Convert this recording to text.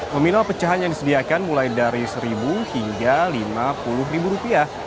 nominal pecahan yang disediakan mulai dari seribu hingga lima puluh ribu rupiah